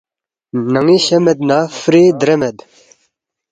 نن٘ی شے مید نہ فِری درے مید